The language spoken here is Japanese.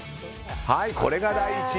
これが第１位。